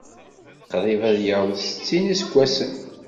Qrib ad yaweḍ settin n yiseggasen.